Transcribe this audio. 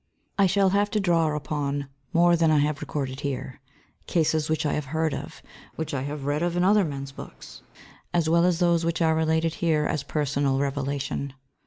I shall have to draw upon more than I have recorded here: cases which I have heard of, which I have read of in other men's books, as well as those which are related here as personal revelation.